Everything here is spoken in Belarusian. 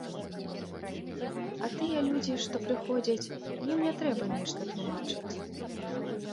А тыя людзі, што прыходзяць, ім не трэба нешта тлумачыць.